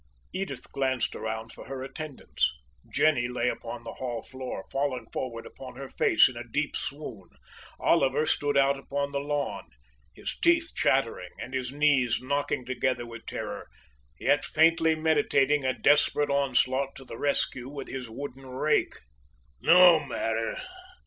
Edith glanced around for her attendants. Jenny lay upon the hall floor, fallen forward upon her face, in a deep swoon. Oliver stood out upon the lawn, his teeth chattering, and his knees knocking together with terror, yet faintly meditating a desperate onslaught to the rescue with his wooden rake. "No matter!